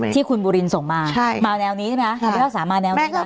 ที่คุณบุรินทร์ส่งมามาแนวนี้ใช่ไหมคะพี่เฮ้าสามาแนวนี้นะ